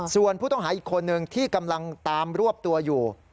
ส่วนผู้ต้องหาอีกคนนึงที่กำลังตามรวบตัวอยู่